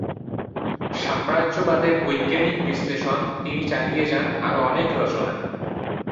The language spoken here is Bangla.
সাম্রাজ্যবাদের বৈজ্ঞানিক বিশ্লেষণ তিনি চালিয়ে যান আরো অনেক রচনায়।